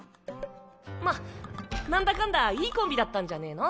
まっなんだかんだいいコンビだったんじゃねぇの？